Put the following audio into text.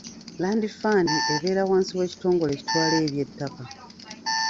Land fund ebeere wansi w’ekitongole ekitwala eby'ettaka.